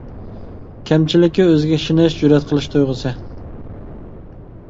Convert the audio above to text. كەمچىلى ئۆزىگە ئىشىنىش، جۈرئەت قىلىش تۇيغۇسى.